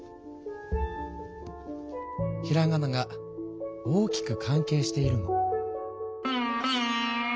ひらがなが大きく関係しているの。